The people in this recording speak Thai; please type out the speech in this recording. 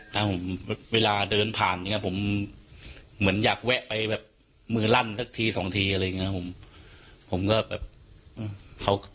ครับผมเวลาเดินผ่านผมเหมือนอยากแวะไปแบบมือรั่นสักทีสองทีอะไรอย่างนี้ครับผม